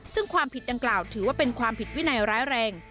ซึ่งความผิดดังกล่าวถือว่าเป็นความผิดวินัยร้ายแรง